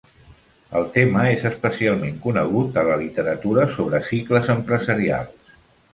El tema és especialment conegut a la literatura sobre cicles empresarials.